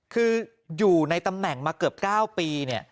คืออยู่ในตำแหน่งมาเกือบ๙ปี